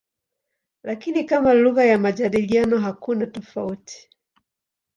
Lakini kama lugha ya majadiliano hakuna tofauti.